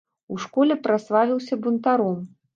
У школе праславіўся бунтаром.